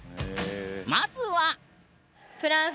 まずは。